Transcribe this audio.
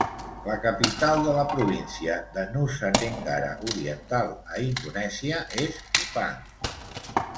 La capital de la província de Nusa Tenggara Oriental, a Indonèsia, és Kupang.